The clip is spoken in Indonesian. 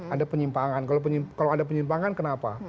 ada penyimpangan kalau ada penyimpangan kenapa